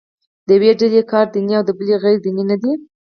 د یوې ډلې کار دیني او د بلې غیر دیني نه دی.